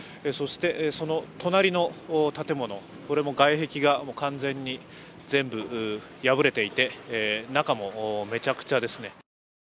そして、その隣の建物、これも外壁が完全に全部破れていて中もめちゃくちゃですね。